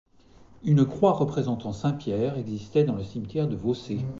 Une croix représentant saint Pierre existait dans le cimetière de Vaucé.